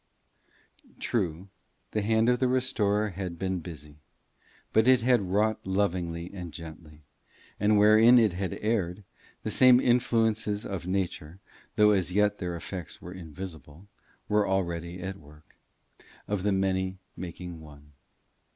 True, the hand of the restorer had been busy, but it had wrought lovingly and gently, and wherein it had erred, the same influences of nature, though as yet their effects were invisible, were already at work of the many making one.